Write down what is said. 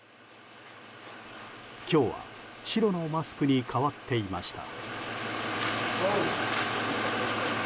今日は白のマスクに変わっていました。